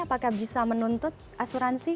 apakah bisa menuntut asuransi